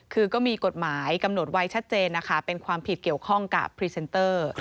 คือก็มีกฎหมายกำหนดไว้ชัดเจนนะคะเป็นความผิดเกี่ยวข้องกับพรีเซนเตอร์